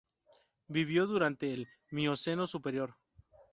Vivió durante el Mioceno Superior.